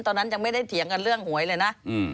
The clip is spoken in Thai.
ตอนนั้นยังไม่ได้เถียงกันเรื่องหวยเลยนะ